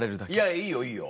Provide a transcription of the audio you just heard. いいよいいよ。